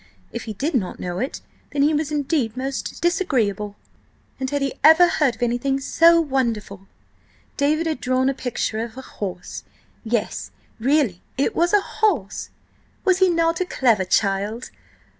If he did not know it, then he was indeed most disagreeable. And had he ever heard of anything so wonderful?–David had drawn a picture of a horse! Yes, really, it was a horse! Was he not a clever child?